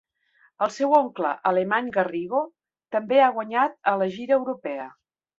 El seu oncle, Alemany Garrido, també ha guanyat a la gira europea.